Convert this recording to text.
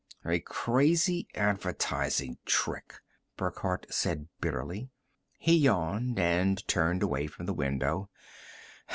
"A crazy advertising trick," Burckhardt said bitterly. He yawned and turned away from the window.